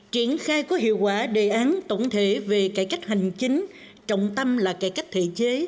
triển khai có hiệu quả đề án tổng thể về cải cách hành chính trọng tâm là cải cách thể chế